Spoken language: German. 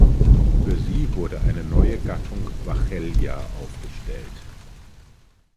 Für sie wurde eine neue Gattung "Vachellia" aufgestellt.